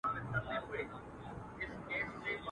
نه مخ گوري د نړۍ د پاچاهانو.